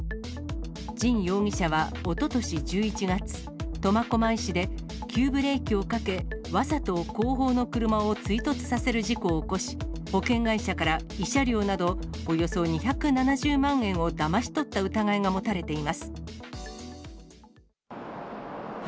神容疑者はおととし１１月、苫小牧市で、急ブレーキをかけ、わざと後方の車を追突させる事故を起こし、保険会社から慰謝料など、およそ２７０万円をだまし取った疑いが持たれています。